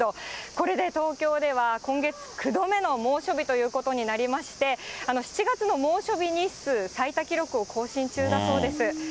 これで東京では今月９度目の猛暑日ということになりまして、７月の猛暑日日数最多記録を更新中だそうです。